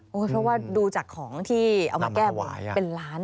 เพราะว่าดูจากของที่เอามาแก้บาทเป็นล้าน